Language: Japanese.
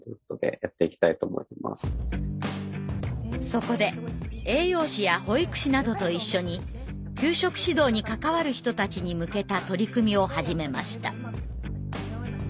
そこで栄養士や保育士などと一緒に給食指導に関わる人たちに向けた取り組みを始めました。